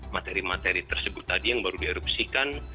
materi materi tersebut tadi yang baru di erupsikan